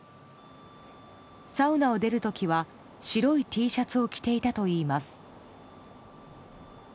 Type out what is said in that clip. サウナを出る時は白いＴシャツを着ていたといいます。